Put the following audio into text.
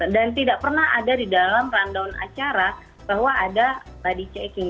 dan tidak pernah ada di dalam rundown acara bahwa ada body checking